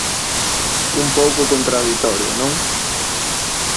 Un pouco contraditorio, non?